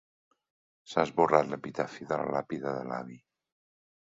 S'ha esborrat l'epitafi de la làpida de l'avi.